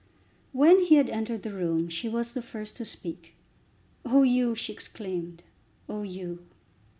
When he had entered the room she was the first to speak. "Oh, Hugh!" she exclaimed, "oh, Hugh!"